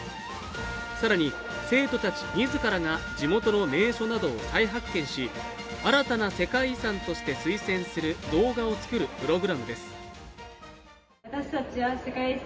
更に、生徒たち自らが地元の名所などを再発見し新たな世界遺産として推薦する動画を作るプログラムです。